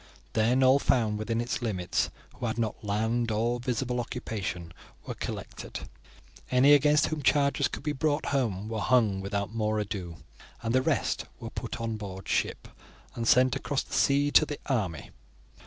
Then all found within its limits who had not land or visible occupation were collected. Any against whom charges could be brought home were hung without more ado, and the rest were put on board ship and sent across the sea to the army.